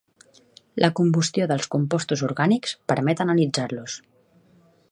La combustió dels compostos orgànics permet analitzar-los.